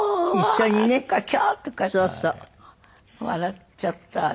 笑っちゃった。